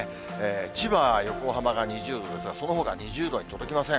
千葉、横浜が２０度ですが、そのほか２０度に届きません。